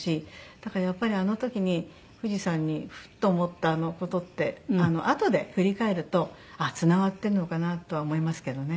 だからやっぱりあの時に富士山にふと思ったあの事ってあとで振り返るとつながってるのかなとは思いますけどね。